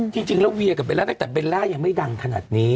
จริงแล้วเวียกับเบลล่าตั้งแต่เบลล่ายังไม่ดังขนาดนี้